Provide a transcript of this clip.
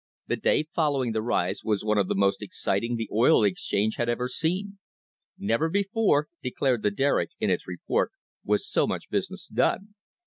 The day following the rise was one of the most exciting the oil exchange had ever seen. "Never before," declared the Derrick in its report, "was so much business done.